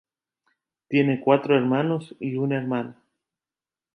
Tiene cuatro hermanos y una hermana.